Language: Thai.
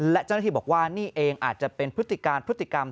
และเจ้าหน้าที่บอกว่านี่เองอาจจะเป็นพฤติการพฤติกรรม